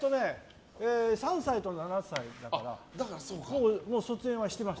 ３歳と７歳だからもう上は卒園はしてます。